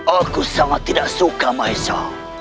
aku sangat tidak suka maessa